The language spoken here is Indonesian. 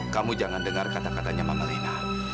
kamu jangan dengar kata katanya mama lena